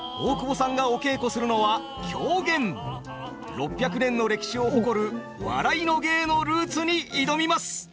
６００年の歴史を誇る笑いの芸のルーツに挑みます。